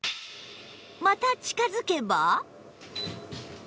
また近づけば